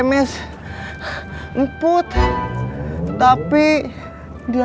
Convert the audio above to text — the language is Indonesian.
dia masih berada di rumah saya